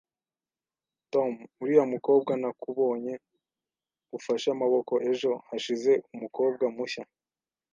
Tom, uriya mukobwa nakubonye ufashe amaboko ejo hashize umukobwa mushya?